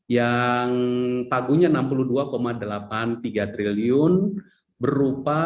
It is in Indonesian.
yang pagunya enam puluh dua delapan puluh tiga triliun berupa